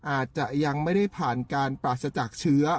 อาจจะยังไม่ได้ผ่านการปราศจากเชื้อ